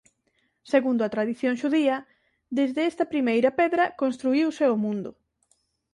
Segundo a tradición xudía desde esta primeira pedra construíuse o mundo.